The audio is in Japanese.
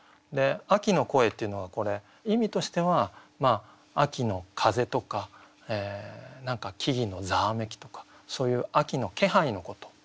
「秋の声」っていうのは意味としては秋の風とか何か木々のざわめきとかそういう秋の気配のこと。